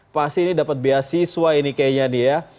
pasti ini dapat beasiswa ini kayaknya dia